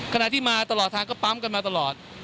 ขณะที่มาตลอดทางก็ปั๊มกันมาตลอด